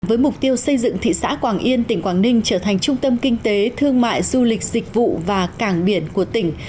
với mục tiêu xây dựng thị xã quảng yên tỉnh quảng ninh trở thành trung tâm kinh tế thương mại du lịch dịch vụ và cảng biển của tỉnh